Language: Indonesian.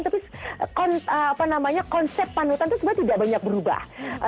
tapi konsep panutan itu sebenarnya tidak banyak berubah